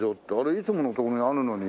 いつもの所にあるのに。